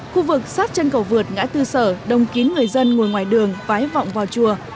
khu vực sát chân cầu vượt ngã tư sở đông kín người dân ngồi ngoài đường vái vọng vào chùa